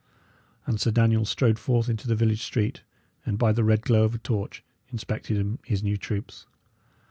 And Sir Daniel strode forth into the village street, and, by the red glow of a torch, inspected his new troops.